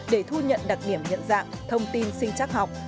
để thu nhận đặc điểm nhận dạng thông tin sinh chắc học